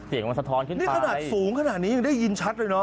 เสียงมันสะท้อนขึ้นนี่ขนาดสูงขนาดนี้ยังได้ยินชัดเลยเนอ